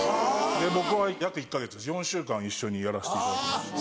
僕は約１か月４週間一緒にやらせていただきました。